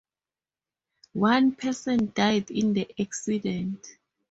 One person died in the accident.